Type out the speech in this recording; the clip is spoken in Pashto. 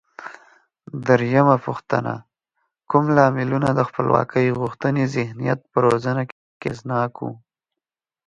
درېمه پوښتنه: کوم لاملونه د خپلواکۍ غوښتنې ذهنیت په روزنه کې اغېزناک و؟